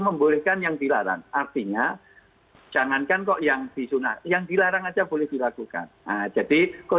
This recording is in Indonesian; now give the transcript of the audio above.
membolehkan yang dilarang artinya jangankan kok yang disunat yang dilarang aja boleh dilakukan jadi